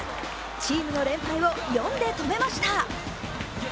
チームの連敗を４で止めました。